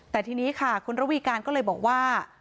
แต่ทีนี้ค่ะคุณระวีการก็เลยบอกว่า